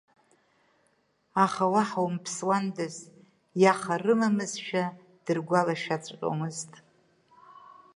Аха, уаҳа умԥсуандаз, иаха рымамызшәа, дыргәалашәаҵәҟьомызт.